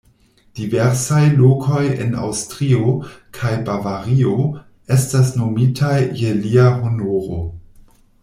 Diversaj lokoj en Aŭstrio kaj Bavario estas nomitaj je lia honoro.